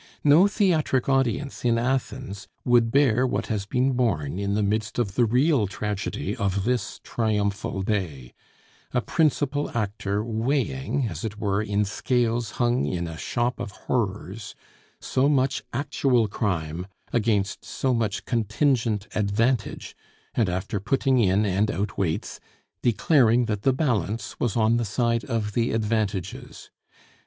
No theatric audience in Athens would bear what has been borne in the midst of the real tragedy of this triumphal day: a principal actor weighing, as it were in scales hung in a shop of horrors, so much actual crime against so much contingent advantage, and after putting in and out weights, declaring that the balance was on the side of the advantages.